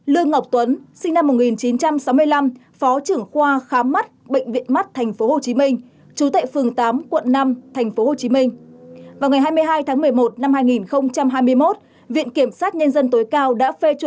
bốn lương ngọc tuấn sinh năm một nghìn chín trăm sáu mươi năm phó trưởng khoa khám mắt bệnh viện mắt tp hcm